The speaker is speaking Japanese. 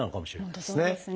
本当そうですね。